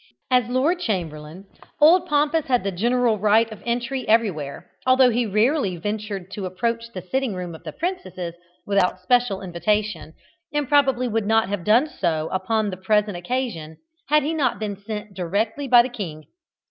As Lord Chamberlain, Old Pompous had the general right of entry everywhere, although he rarely ventured to approach the sitting room of the princesses without special invitation, and probably would not have done so upon the present occasion had he not been sent directly by the king.